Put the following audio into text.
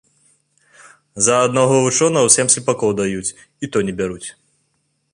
За аднаго вучонага сем слепакоў даюць, і то не бяруць